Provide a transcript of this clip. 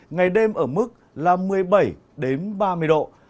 ngày đêm ở mức là một mươi bảy đến ba mươi độ